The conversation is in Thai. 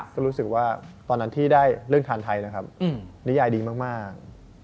ก็รู้สึกว่าตอนนั้นที่ได้เรื่องทานไทยนะครับนิยายดีมาก